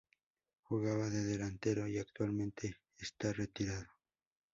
Jugaba de delantero y actualmente está retirado.